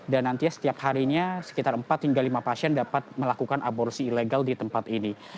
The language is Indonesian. dan nantinya setiap harinya sekitar empat hingga lima pasien dapat melakukan aborsi ilegal di tempat ini